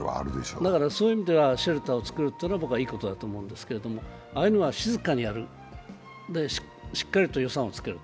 だからそういう意味ではシェルターを作るのは僕は、いいことだと思うんですけどああいうのは静かにやる、で、しっかりと予算をつける。